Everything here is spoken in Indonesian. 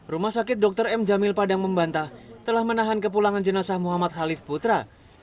rumah sakit dr m jamil padang membantah telah menahan kepulangan jenazah muhammad khalif putra